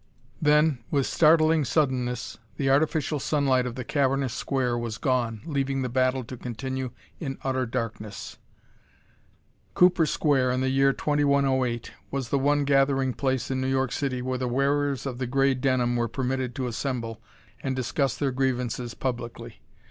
Then, with startling suddenness, the artificial sunlight of the cavernous Square was gone, leaving the battle to continue in utter darkness. Cooper Square, in the year 2108, was the one gathering place in New York City where the wearers of the gray denim were permitted to assemble and discuss their grievances publicly.